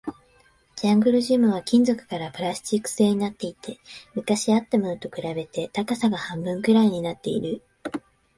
ジャングルジムは金属からプラスチック製になっていて、昔あったものと比べて高さが半分くらいになっている